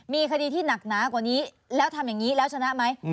มีคดีที่หนักหนากว่านี้แล้วทำอย่างนี้แล้วชนะไหม